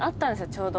ちょうど。